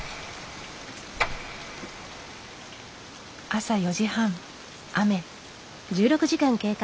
朝４時半雨。